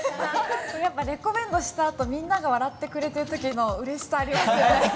やっぱレコメンドしたあとみんなが笑ってくれてる時のうれしさありますよね。